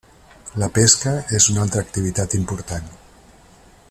La pesca és una altra activitat important.